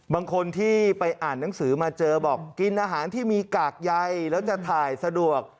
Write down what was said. บางคนที่ไปอ่านหนังสือมาเจอบอกกินอาหารที่มีกากใยแล้วจะถ่ายสะดวก